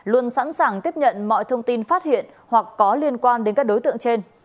luôn sẵn sàng tiếp nhận mọi thông tin phát hiện hoặc có liên quan đến các đối tượng trên